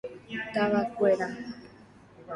Tavakuéra.